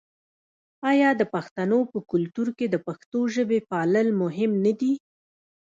آیا د پښتنو په کلتور کې د پښتو ژبې پالل مهم نه دي؟